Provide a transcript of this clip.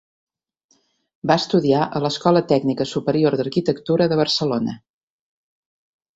Va estudiar a l'Escola Tècnica Superior d'Arquitectura de Barcelona.